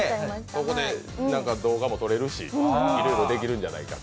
そこで動画も撮れるし、いろいろできるんじゃないかと。